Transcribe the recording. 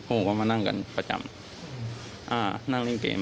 ผมก็มานั่งกันประจำอ่านั่งเล่นเกม